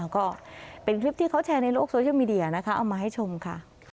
ก็เป็นคลิปที่เขาแชร์ในโลกโซเชียลมีเดียนะคะเอามาให้ชมค่ะ